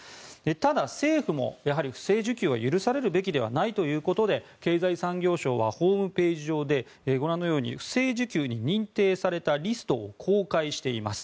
ただ、政府もやはり不正受給は許されることではないということで経済産業省はホームページ上でご覧のように不正受給に認定されたリストを公開しています。